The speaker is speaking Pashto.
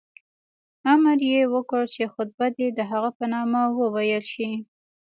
امر یې وکړ چې خطبه دې د هغه په نامه وویل شي.